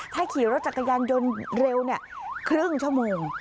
ถ้าขี่รถจักรยานยนต์เร็วครึ่งชั่วโมง